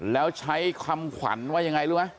แล้วใช้คำขวัญว่ายังไงรู้ไหม